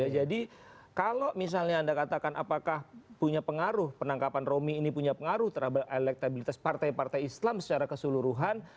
jadi kalau misalnya anda katakan apakah punya pengaruh penangkapan romi ini punya pengaruh terhadap elektabilitas partai partai islam secara keseluruhan